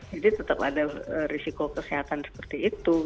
jadi tetap ada risiko kesehatan seperti itu